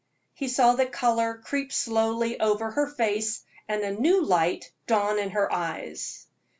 '" He saw the color creep slowly over her face and a new light dawn in her eyes.